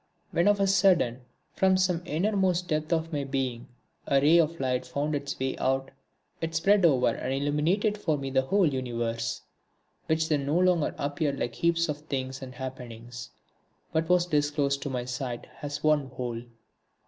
When of a sudden, from some innermost depth of my being, a ray of light found its way out, it spread over and illuminated for me the whole universe, which then no longer appeared like heaps of things and happenings, but was disclosed to my sight as one whole.